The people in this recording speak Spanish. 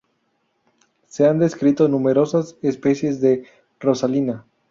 Se han descrito numerosas especies de "Rosalina".